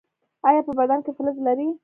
ایا په بدن کې فلز لرئ؟